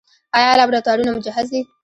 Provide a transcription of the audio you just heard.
آیا لابراتوارونه مجهز دي؟